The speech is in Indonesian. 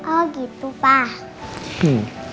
oh gitu pak